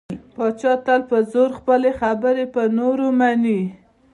پاچا تل په زور خپلې خبرې په نورو مني .